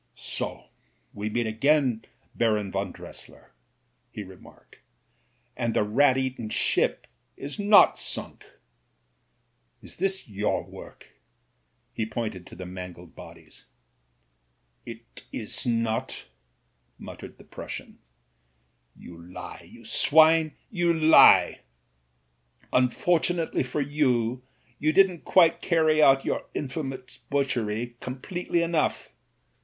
"So we meet again, Baron von Dressier," he re marked, "and the rat eaten ship is not sunk. Is this your work?" He pointed to the mangled bodies. "It is not," muttered the Prussian. "You lie, you swine, you lie! Unfortunately for you you didn't quite carry out your infamous butchery completely enough.